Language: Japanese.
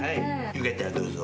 よかったらどうぞ。